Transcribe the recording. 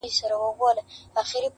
اوس و خپلو ته پردی او بېګانه دی-